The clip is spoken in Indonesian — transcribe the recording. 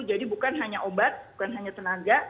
jadi bukan hanya obat bukan hanya tenaga